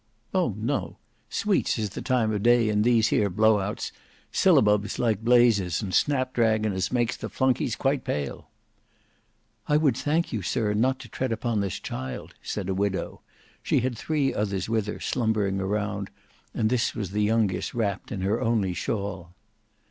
"Oh! no; sweets is the time of day in these here blowouts: syllabubs like blazes, and snapdragon as makes the flunkys quite pale." "I would thank you, sir, not to tread upon this child," said a widow. She had three others with her, slumbering around, and this was the youngest wrapt in her only shawl.